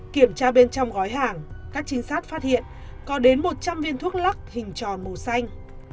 kiểm tra bên trong gói hàng các trinh sát phát hiện có đến một trăm linh viên thuốc lắc hình tròn màu xanh